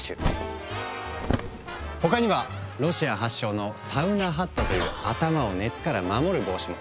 他にはロシア発祥の「サウナハット」という頭を熱から守る帽子も。